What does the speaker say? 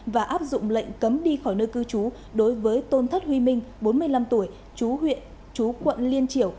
và áp dụng lệnh cấm đi khỏi nơi cư trú đối với tôn thất huy minh bốn mươi năm tuổi chú huyện chú quận liên triểu